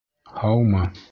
Һаумы...